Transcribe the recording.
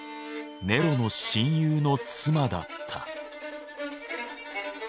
ネロの親友の妻だった。